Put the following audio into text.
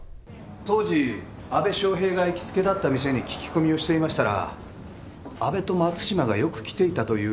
当時阿部祥平が行きつけだった店に聞き込みをしていましたら阿部と松島がよく来ていたという証言が取れました。